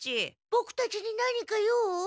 ボクたちに何か用？